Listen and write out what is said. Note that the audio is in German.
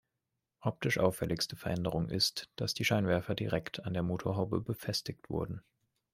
Optisch auffälligste Veränderung ist, dass die Scheinwerfer direkt an der Motorhaube befestigt wurden.